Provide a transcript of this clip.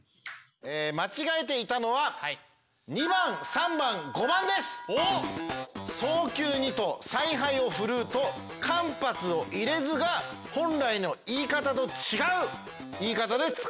間違えていたのは「早急に」と「采配を振るう」と「間髪を入れず」が本来の言い方と違う言い方で使われていました！